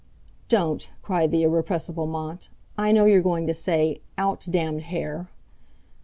"Don't!" cried the irrepressible Mont. "I know you're going to say: 'Out, damned hair!'"